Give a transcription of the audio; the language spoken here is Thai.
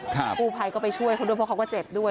ครูไพด์ก็ไปช่วยคนโดนพ่อเขาก็เจ็บด้วย